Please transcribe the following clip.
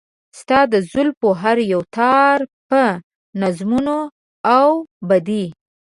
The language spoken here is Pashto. ستا د زلفو هر يو تار په نظمونو و اوبدي .